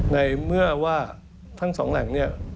ในเมื่อว่าทั้ง๒แหล่งนี้